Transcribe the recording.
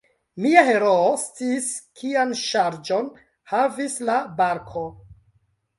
Mia heroo sciis, kian ŝarĝon havis la barko.